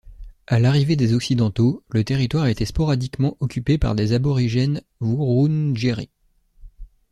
À l'arrivée des Occidentaux, le territoire était sporadiquement occupé par des Aborigènes Wurundjeri.